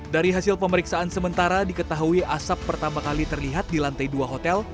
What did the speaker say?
dari hasil pemeriksaan sementara diketahui asap pertama kali terlihat di lantai dua hotel